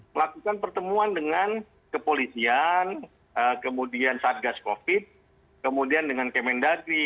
melakukan pertemuan dengan kepolisian kemudian satgas covid kemudian dengan kemendagri